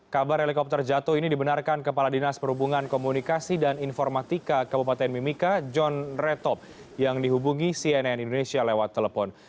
kabar helikopter jatuh ini dibenarkan kepala dinas perhubungan komunikasi dan informatika kabupaten mimika john retop yang dihubungi cnn indonesia lewat telepon